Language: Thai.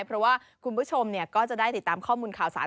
เพราะว่าคุณผู้ชมก็จะได้ติดตามข้อมูลข่าวสาร